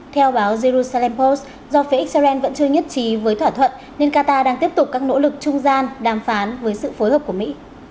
theo báo jerusalempos do phía israel vẫn chưa nhất trí với thỏa thuận nên qatar đang tiếp tục các nỗ lực trung gian đàm phán với sự phối hợp của mỹ